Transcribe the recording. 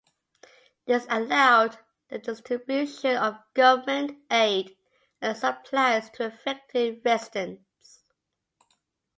This allowed the distribution of government aid and supplies to affected residents.